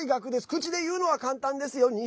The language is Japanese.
口で言うのは簡単ですよ。